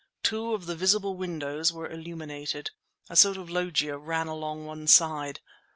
Two of the visible windows were illuminated. A sort of loggia ran along one side.